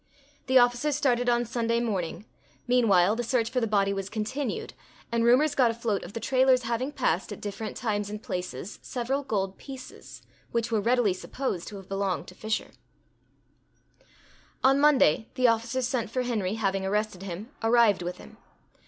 The officers started on Sunday morning; meanwhile, the search for the body was continued, and rumors got afloat of the Trailors having passed, at different times and places, several gold pieces, which were readily supposed to have belonged to Fisher.On Monday, the officers sent for Henry, having arrested him, arrived with him.